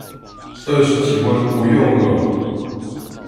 二十幾萬不用了